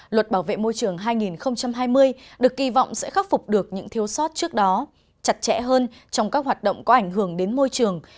luật bảo vệ môi trường hai nghìn hai mươi được kỳ vọng sẽ khắc phục được những thiếu sót trước đó chặt chẽ hơn trong các hoạt động có ảnh hưởng đến môi trường